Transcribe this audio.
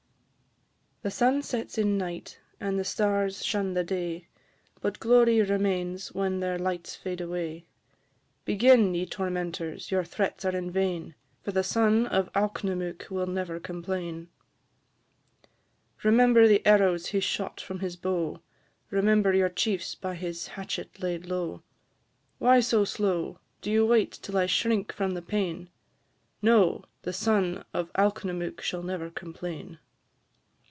The sun sets in night, and the stars shun the day, But glory remains when their lights fade away. Begin, ye tormentors, your threats are in vain, For the son of Alknomook will never complain. Remember the arrows he shot from his bow; Remember your chiefs by his hatchet laid low. Why so slow? Do you wait till I shrink from the pain? No! the son of Alknomook shall never complain.